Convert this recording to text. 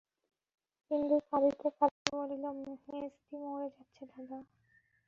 সিন্ধু কাঁদিতে কাঁদিতে বলিল, মেজদি মরে যাচ্ছে দাদা।